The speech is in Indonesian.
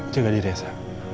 jaga diri sa